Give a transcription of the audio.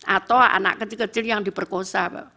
atau anak kecil kecil yang diperkosa